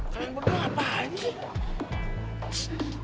kalian berdua apaan sih